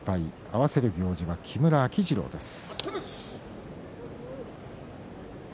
合わせる行司は木村秋治郎です。